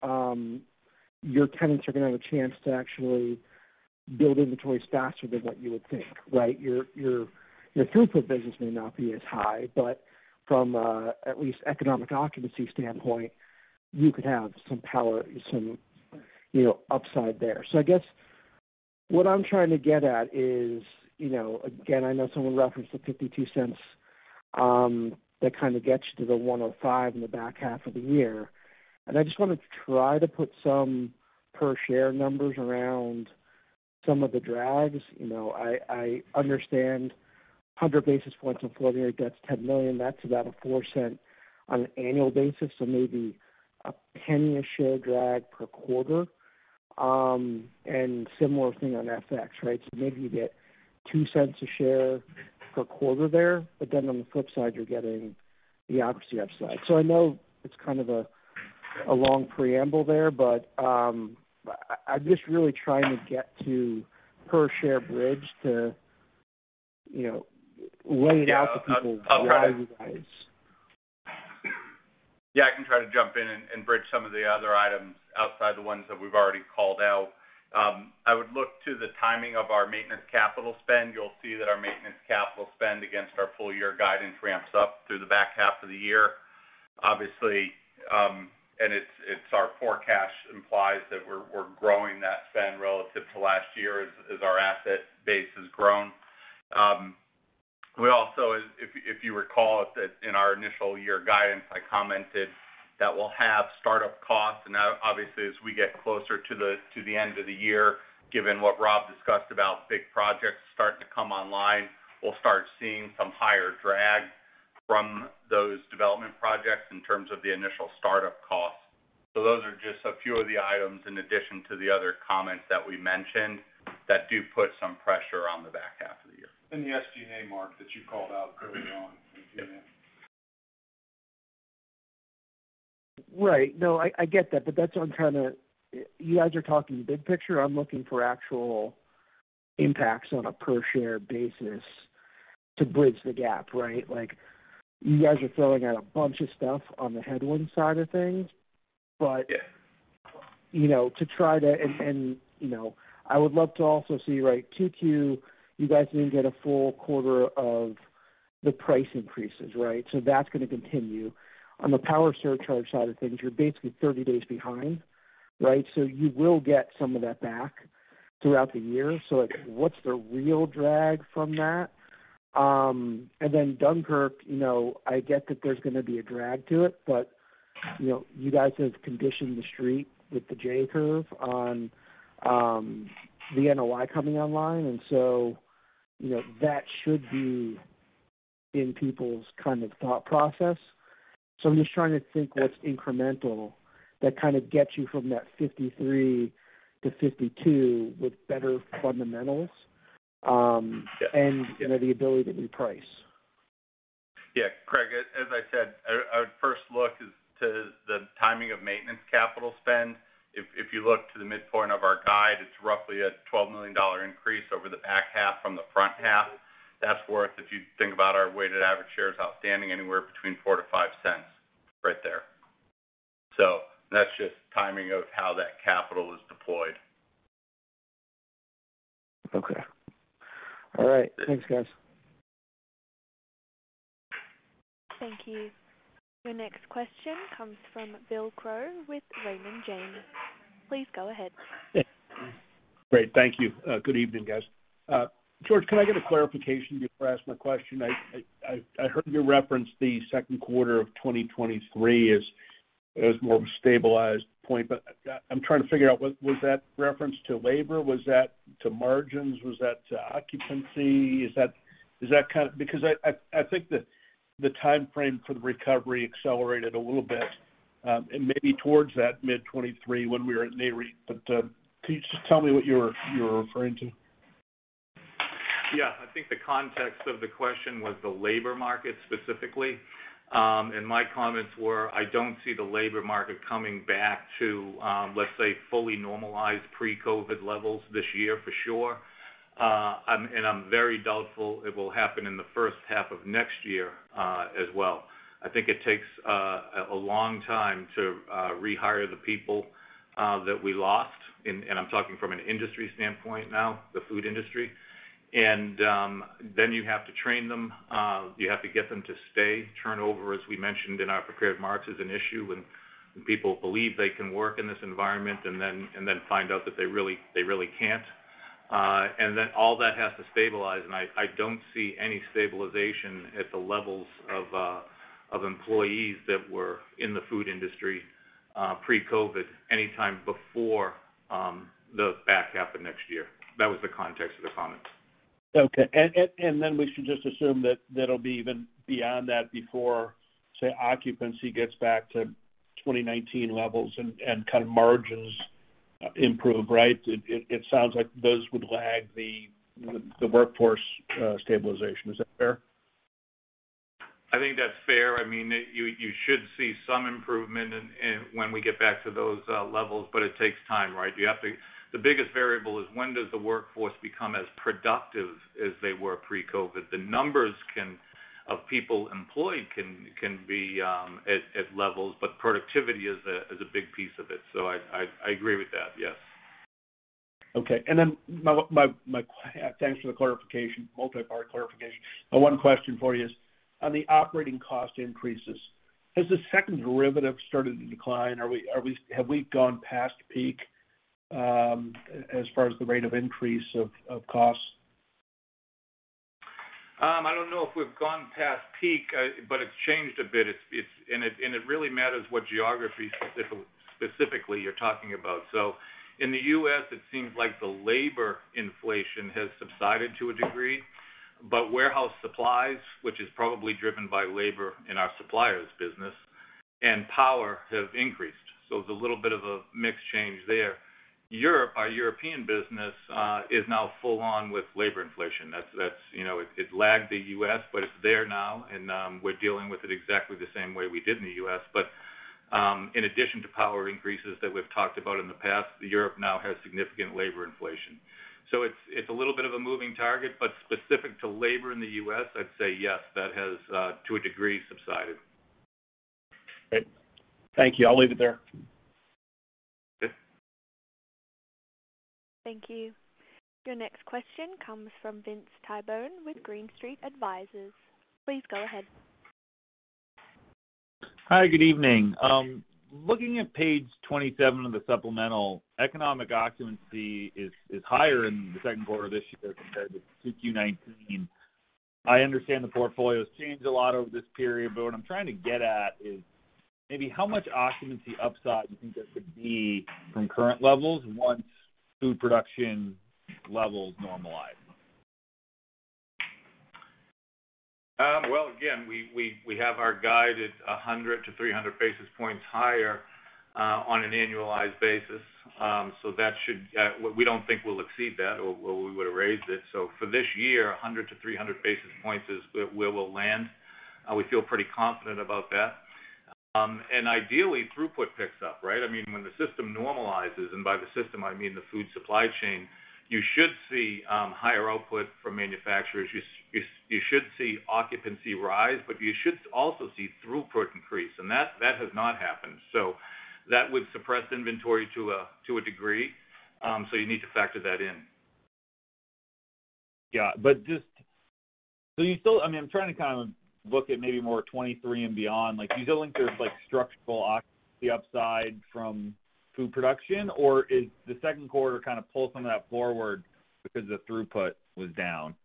your tenants are gonna have a chance to actually build inventories faster than what you would think, right? Your throughput business may not be as high, but from at least economic occupancy standpoint, you could have some power, some, you know, upside there. I guess what I'm trying to get at is, you know, again, I know someone referenced the $0.52, that kind of gets you to the $1.05 in the back half of the year. I just wanna try to put some per share numbers around some of the drags. You know, I understand 100 basis points on floating rate, that's $10 million, that's about a $0.04 on an annual basis. Maybe a $0.01 a share drag per quarter. Similar thing on FX, right? Maybe you get $0.02 per share per quarter there, but then on the flip side, you're getting the occupancy upside. I know it's kind of a long preamble there, but I'm just really trying to get to per share bridge to, you know, lay it out to people why you guys. Yeah I can try to jump in and bridge some of the other items outside the ones that we've already called out. I would look to the timing of our maintenance capital spend. You'll see that our maintenance capital spend against our full year guidance ramps up through the back half of the year. Obviously, it's our forecast implies that we're growing that spend relative to last year as our asset base has grown. We also, if you recall, that in our initial year guidance, I commented that we'll have start-up costs. Now obviously, as we get closer to the end of the year, given what Rob discussed about big projects starting to come online, we'll start seeing some higher drag from those development projects in terms of the initial start-up costs. Those are just a few of the items in addition to the other comments that we mentioned that do put some pressure on the back half of the year. The SG&A mark that you called out early on in Q&A. Right. No, I get that, but that's what I'm trying to. You guys are talking big picture. I'm looking for actual impacts on a per share basis to bridge the gap, right? Like, you guys are throwing out a bunch of stuff on the headwind side of things. You know, I would love to also see, right, Q2, you guys didn't get a full quarter of the price increases, right? That's gonna continue. On the power surcharge side of things, you're basically 30 days behind, right? You will get some of that back throughout the year. Like, what's the real drag from that? Then Dunkirk, you know, I get that there's gonna be a drag to it, but, you know, you guys have conditioned The Street with the J-curve on, the NOI coming online. You know, that should be in people's kind of thought process. I'm just trying to think what's incremental that kind of gets you from that 53 to 52 with better fundamentals. Yeah. you know, the ability to reprice. Yeah Craig as I said, our first look is to the timing of maintenance capital spend. If you look to the midpoint of our guide, it's roughly a $12 million increase over the back half from the front half. That's worth, if you think about our weighted average shares outstanding, anywhere between $0.04-$0.05 right there. That's just timing of how that capital is deployed. Okay all right. Thanks guys. Thank you. Your next question comes from Bill Crow with Raymond James. Please go ahead. Great. Thank you. Good evening, guys. George, can I get a clarification before I ask my question? I heard you reference the second quarter of 2023 as more of a stabilized point, but I'm trying to figure out what was that reference to labor? Was that to margins? Was that to occupancy? Is that kind? Because I think the timeframe for the recovery accelerated a little bit, and maybe towards that mid-2023 when we were at Nareit. Can you just tell me what you were referring to? Yeah. I think the context of the question was the labor market specifically. My comments were, I don't see the labor market coming back to, let's say, fully normalized pre-COVID levels this year for sure. I'm very doubtful it will happen in the first half of next year, as well. I think it takes a long time to rehire the people that we lost, and I'm talking from an industry standpoint now, the food industry. Then you have to train them. You have to get them to stay. Turnover, as we mentioned in our prepared remarks, is an issue when people believe they can work in this environment and then find out that they really can't. Then all that has to stabilize. I don't see any stabilization at the levels of employees that were in the food industry pre-COVID anytime before the back half of next year. That was the context of the comments. Okay. We should just assume that that'll be even beyond that before, say, occupancy gets back to 2019 levels and kind of margins improve, right? It sounds like those would lag the workforce stabilization. Is that fair? I think that's fair. I mean, you should see some improvement in when we get back to those levels, but it takes time, right? You have to. The biggest variable is when does the workforce become as productive as they were pre-COVID? The numbers of people employed can be at levels, but productivity is a big piece of it. I agree with that. Yes. Okay. Thanks for the clarification, multi-part clarification. My one question for you is on the operating cost increases. Has the second derivative started to decline? Have we gone past peak as far as the rate of increase of costs? I don't know if we've gone past peak, but it's changed a bit. It's and it really matters what geography specifically you're talking about. In the US, it seems like the labor inflation has subsided to a degree, but warehouse supplies, which is probably driven by labor in our suppliers business and power, have increased. It's a little bit of a mix change there. Europe, our European business, is now full on with labor inflation. That's, you know, it lagged the US, but it's there now and we're dealing with it exactly the same way we did in the US. In addition to power increases that we've talked about in the past, Europe now has significant labor inflation. It's a little bit of a moving target, but specific to labor in the U.S., I'd say yes, that has, to a degree, subsided. Great. Thank you. I'll leave it there. Thank you. Your next question comes from Vince Tibone with Green Street Advisors. Please go ahead. Hi good evening. Looking at page 27 of the supplemental, economic occupancy is higher in the second quarter of this year compared to 2Q 2019. I understand the portfolio's changed a lot over this period, but what I'm trying to get at is maybe how much occupancy upside you think there could be from current levels once food production levels normalize. Well again, we have our guide at 100-300 basis points higher, on an annualized basis. We don't think we'll exceed that or we would've raised it. For this year, 100-300 basis points is where we'll land. We feel pretty confident about that. And ideally, throughput picks up, right? I mean, when the system normalizes, and by the system I mean the food supply chain, you should see higher output from manufacturers. You should see occupancy rise, but you should also see throughput increase, and that has not happened. That would suppress inventory to a degree, so you need to factor that in. Yeah. Just... You still... I mean, I'm trying to kind of look at maybe more at 2023 and beyond. Like, do you still think there's, like, the upside from food production, or is the second quarter kinda pull some of that forward because the throughput was down?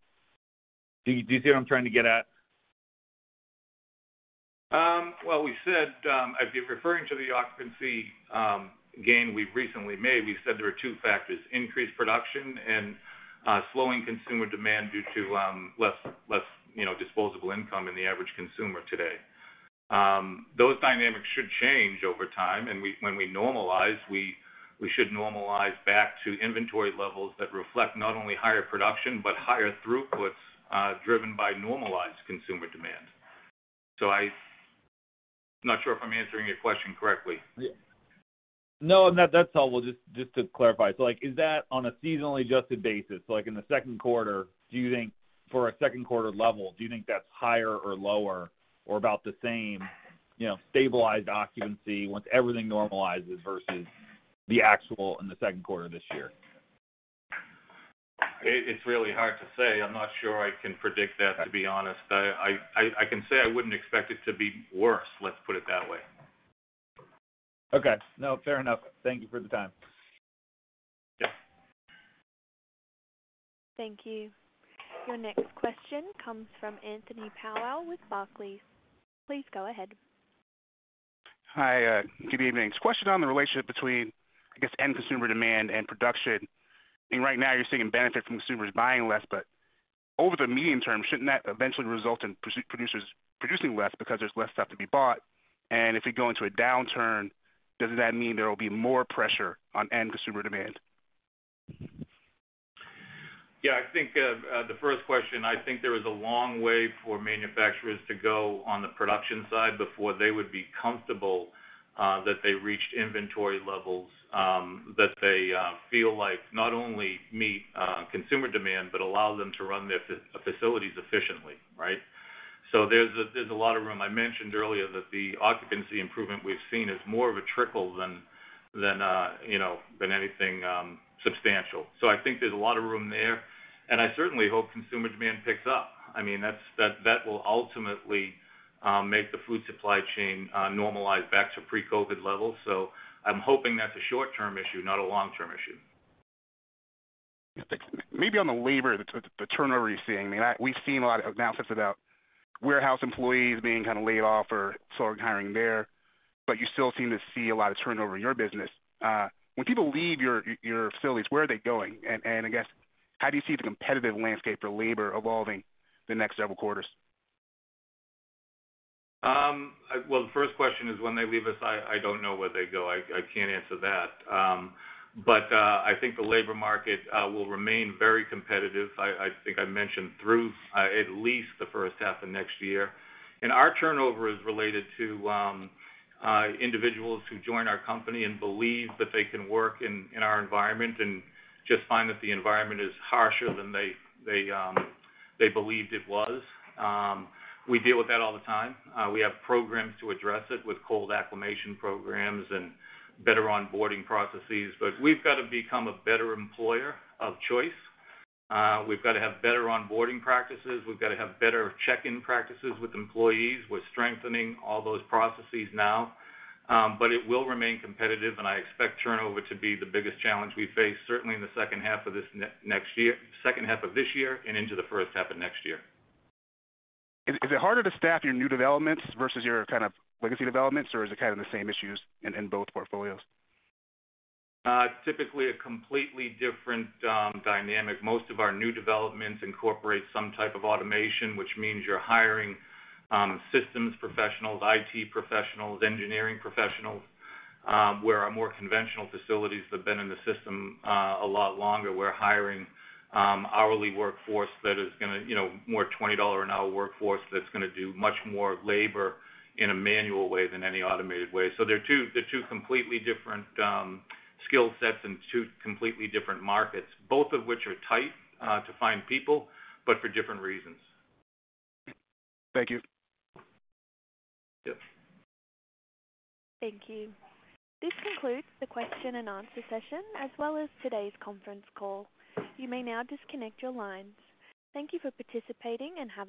Do you see what I'm trying to get at? Well we said, if you're referring to the occupancy gain we've recently made, we said there are two factors, increased production and slowing consumer demand due to less, you know, disposable income in the average consumer today. Those dynamics should change over time, and when we normalize, we should normalize back to inventory levels that reflect not only higher production but higher throughputs driven by normalized consumer demand. I'm not sure if I'm answering your question correctly. Yeah. No, that's helpful. Just to clarify. So, like, is that on a seasonally adjusted basis? So like in the second quarter, do you think for a second quarter level, do you think that's higher or lower or about the same, you know, stabilized occupancy once everything normalizes versus the actual in the second quarter this year? It's really hard to say. I'm not sure I can predict that, to be honest. I can say I wouldn't expect it to be worse, let's put it that way. Okay. No, fair enough. Thank you for the time. Yeah. Thank you. Your next question comes from Anthony Powell with Barclays. Please go ahead. Hi good evening. Question on the relationship between, I guess, end consumer demand and production. I mean, right now you're seeing benefit from consumers buying less, but over the medium term, shouldn't that eventually result in producers producing less because there's less stuff to be bought? If you go into a downturn, doesn't that mean there will be more pressure on end consumer demand? Yeah I think the first question, I think there is a long way for manufacturers to go on the production side before they would be comfortable that they reached inventory levels that they feel like not only meet consumer demand but allow them to run their facilities efficiently, right? There's a lot of room. I mentioned earlier that the occupancy improvement we've seen is more of a trickle than you know, than anything substantial. I think there's a lot of room there, and I certainly hope consumer demand picks up. I mean, that will ultimately make the food supply chain normalize back to pre-COVID levels. I'm hoping that's a short-term issue, not a long-term issue. Maybe on the labor, the turnover you're seeing. I mean, we've seen a lot of announcements about warehouse employees being kind of laid off or sort of hiring there, but you still seem to see a lot of turnover in your business. When people leave your facilities, where are they going? I guess how do you see the competitive landscape for labor evolving the next several quarters? Well the first question is, when they leave us, I don't know where they go. I can't answer that. I think the labor market will remain very competitive. I think I mentioned through at least the first half of next year. Our turnover is related to individuals who join our company and believe that they can work in our environment and just find that the environment is harsher than they believed it was. We deal with that all the time. We have programs to address it with cold acclimation programs and better onboarding processes. We've got to become a better employer of choice. We've got to have better onboarding practices. We've got to have better check-in practices with employees. We're strengthening all those processes now. It will remain competitive, and I expect turnover to be the biggest challenge we face, certainly in the second half of this year and into the first half of next year. Is it harder to staff your new developments versus your kind of legacy developments, or is it kind of the same issues in both portfolios? Typically a completely different dynamic. Most of our new developments incorporate some type of automation, which means you're hiring systems professionals, IT professionals, engineering professionals. Where our more conventional facilities that have been in the system a lot longer, we're hiring hourly workforce that is gonna, you know, more $20 an hour workforce that's gonna do much more labor in a manual way than any automated way. They're two completely different skill sets and two completely different markets, both of which are tight to find people, but for different reasons. Thank you. Yeah. Thank you. This concludes the question and answer session, as well as today's conference call. You may now disconnect your lines. Thank you for participating, and have a great day.